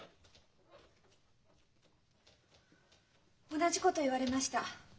同じこと言われました。